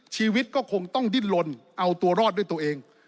ชีวิตก็คงต้องดิ้นลนเอาตัวรอดด้วยตัวเอง